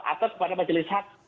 atau kepada majelis hak